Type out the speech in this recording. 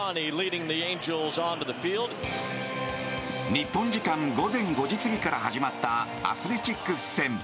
日本時間午前５時過ぎから始まったアスレチックス戦。